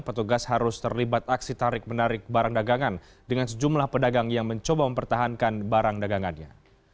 petugas harus terlibat aksi tarik menarik barang dagangan dengan sejumlah pedagang yang mencoba mempertahankan barang dagangannya